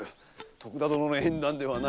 徳田殿の縁談ではない。